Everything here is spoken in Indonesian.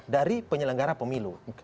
dari penyelenggara pemilu